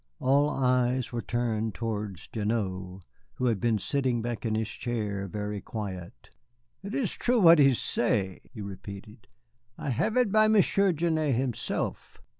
All eyes were turned towards Gignoux, who had been sitting back in his chair, very quiet. "It is true what he say," he repeated, "I have it by Monsieur Genêt himself."